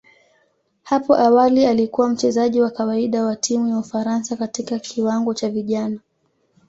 Hapo awali alikuwa mchezaji wa kawaida wa timu ya Ufaransa katika kiwango cha vijana.